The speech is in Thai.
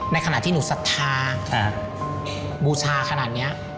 ขณะที่หนูศรัทธาบูชาขนาดนี้